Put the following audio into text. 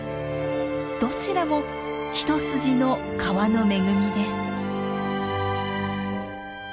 どちらも一筋の川の恵みです。